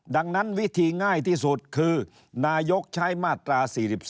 ดังนั้นวิธีง่ายที่สุดคือนายกใช้มาตรา๔๒